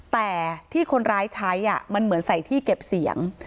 แต่ที่คนร้ายใช้มันเหมือนใส่ที่เก็บเสียง